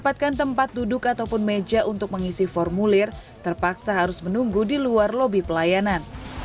mendapatkan tempat duduk ataupun meja untuk mengisi formulir terpaksa harus menunggu di luar lobi pelayanan